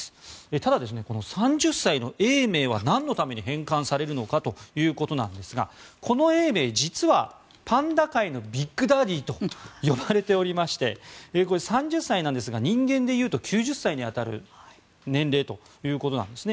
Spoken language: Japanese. ただ、３０歳の永明はなんのために返還されるのかということなんですがこの永明、実はパンダ界のビッグダディと呼ばれていまして３０歳なんですが人間でいうと９０歳に当たる年齢ということなんですね。